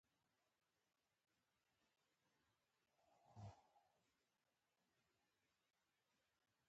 قومونه د افغانستان د اوږدمهاله پایښت لپاره یو مهم رول لري.